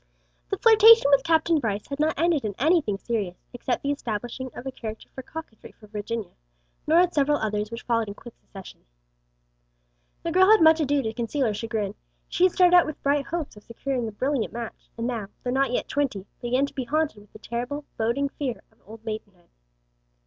The flirtation with Captain Brice had not ended in anything serious except the establishing of a character for coquetry for Virginia nor had several others which followed in quick succession. The girl had much ado to conceal her chagrin; she had started out with bright hopes of securing a brilliant match, and now, though not yet twenty, began to be haunted with the terrible, boding fear of old maidenhood.